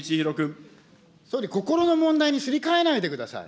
総理、心の問題にすり替えないでください。